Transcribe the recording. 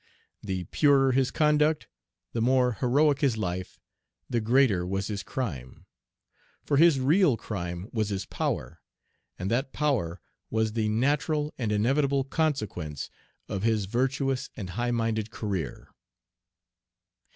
The purer his conduct, the more heroic his life, the greater was his crime; for his real crime was his power, and that power was the natural and inevitable consequence of his virtuous and high minded career.